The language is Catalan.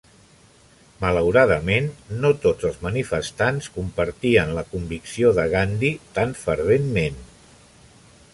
Malauradament, no tots els manifestants compartien la convicció de Gandhi tan ferventment.